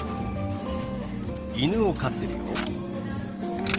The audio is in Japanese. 犬を飼ってるよ。